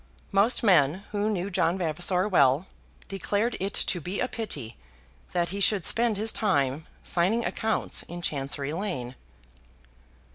Most men who knew John Vavasor well, declared it to be a pity that he should spend his time in signing accounts in Chancery Lane.